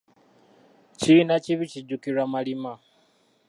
Kiyini kibi kijjukirwa malima.